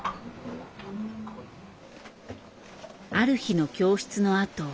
ある日の教室のあと。